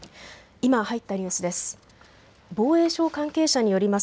今入ったニュースです。